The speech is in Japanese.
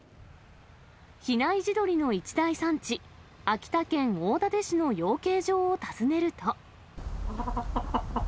比内地鶏の一大産地、秋田県大館市の養鶏場を訪ねると。